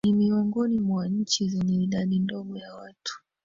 Ni miongoni mwa nchi zenye idadi ndogo ya watu